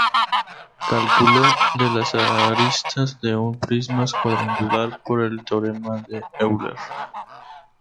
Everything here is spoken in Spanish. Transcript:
Cálculo de las aristas de un prisma cuadrangular por el teorema de Euler.